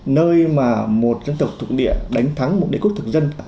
nơi mà một dân tộc thục địa đánh thắng một địa quốc thực dân